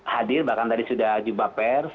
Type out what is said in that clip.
hadir bahkan tadi sudah jubah pers